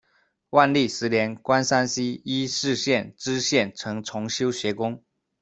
万历十年，官山西猗氏县知县，曾重修学宫。